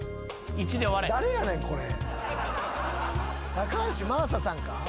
高橋真麻さんか？